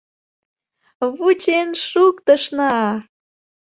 Вучен шуктышна!